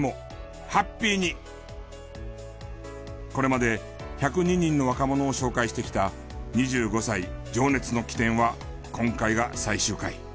これまで１０２人の若者を紹介してきた『２５歳情熱の起点』は今回が最終回。